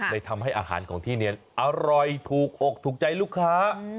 เลยทำให้อาหารของที่นี่อร่อยถูกอกถูกใจลูกค้า